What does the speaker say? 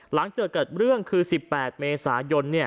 หลังจากเกิดเรื่องคือ๑๘เมษายน